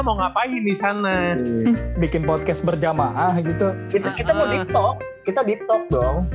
mau ngapain di sana bikin podcast berjamaah gitu kita mau di toko kita di toko dong